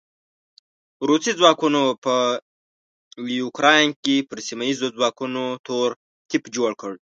روسي ځواکونو په يوکراين کې پر سیمه ايزو ځواکونو تور تيپ جوړ کړ.